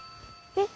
えっ？